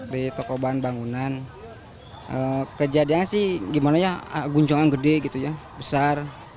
di toko bahan bangunan kejadiannya sih gimana ya gunjongan gede gitu ya besar